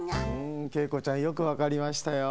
んＫ子ちゃんよくわかりましたよ。